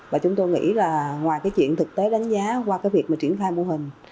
và chúng tôi nghĩ là ngoài cái chuyện thực tế đánh giá qua cái việc mà triển khai mô hình